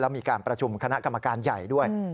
มีการประชุมคณะกรรมการใหญ่ด้วย